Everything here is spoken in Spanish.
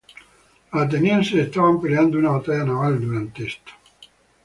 Los atenienses estaban peleando una batalla naval durante esto".